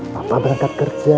papa berangkat kerja